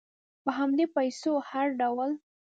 په همدې پیسو هر ډول